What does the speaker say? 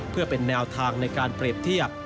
เพื่อเป็นแนวทางในการเปรียบเทียบ